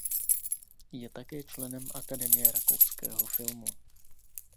Je také členem Akademie rakouského filmu.